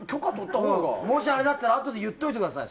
もしあれだったらあとで言っておいてください。